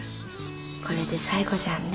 これで最後じゃんね。